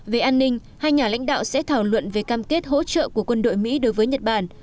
về an ninh hai nhà lãnh đạo sẽ thảo luận về cam kết hỗ trợ của quân đội mỹ đối với nhật bản